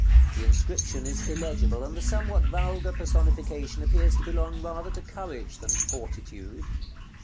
The inscription is illegible, and the somewhat vulgar personification appears to belong rather to Courage than Fortitude.